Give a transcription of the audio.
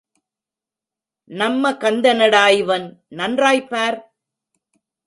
நம்ம கந்தனடா இவன் நன்றாய்ப் பார்.